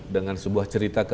dengan sebuah cerita ke